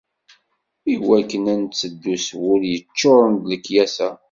Iwakken ad netteddu s wul yeččuren d lekyasa.